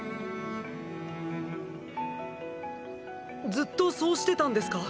ずっとそうしてたんですか？